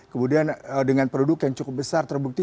kemudian dengan produk yang cukup besar terbukti